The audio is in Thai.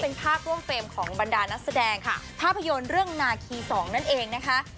เป็นภาพร่วมเฟรมของบรรดานักแสดงค่ะภาพยนตร์เรื่องนาคีสองนั่นเองนะคะ